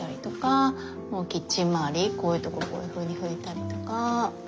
こういうとここういうふうに拭いたりとか。